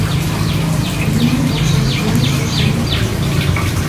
بۈگۈنمۇ ئوخشاش يەنە شۇ شەنبە كۈنى ئىدى.